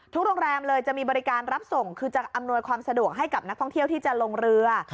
โรงแรมเลยจะมีบริการรับส่งคือจะอำนวยความสะดวกให้กับนักท่องเที่ยวที่จะลงเรือ